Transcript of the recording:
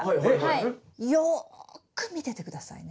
よく見てて下さいね。